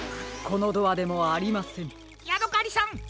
このドアでもありません。